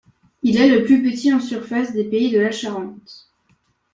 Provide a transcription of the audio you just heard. Il est le plus petit en surface des pays de la Charente.